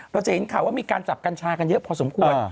เราจะเห็นข่าวว่ามีการจับกัญชากันเยอะพอสมควร